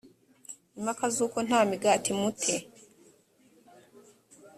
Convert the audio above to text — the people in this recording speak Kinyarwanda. impaka z uko nta migati mute